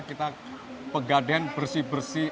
kita pegaden bersih bersih